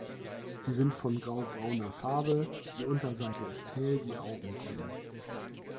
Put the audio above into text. Sie sind von graubrauner Farbe, die Unterseite ist hell, die Augen grün.